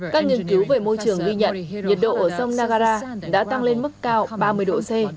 các nghiên cứu về môi trường ghi nhận nhiệt độ ở sông nagara đã tăng lên mức cao ba mươi độ c